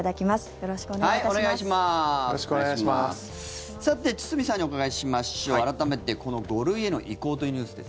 よろしくお願いします。